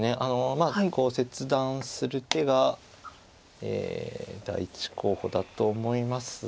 こう切断する手が第１候補だと思いますが。